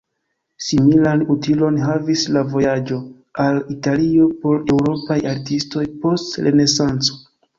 Similan utilon havis la vojaĝo al Italio por eŭropaj artistoj post Renesanco.